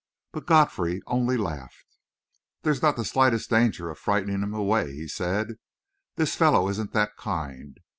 But Godfrey only laughed. "There's not the slightest danger of frightening him away," he said. "This fellow isn't that kind.